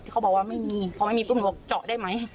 เขาบอกว่าไม่มีพอไม่มีปุ๊บหนูบอกเจาะได้ไหม